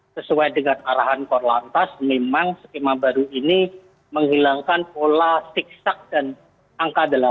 sesuai dengan arahan korlantas memang skema baru ini menghilangkan pola sigsak dan angka delapan